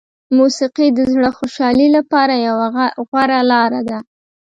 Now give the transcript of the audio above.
موسیقي د زړه خوشحالي لپاره یوه غوره لاره ده.